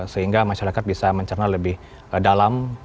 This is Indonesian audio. sehingga masyarakat bisa mencerna lebih dalam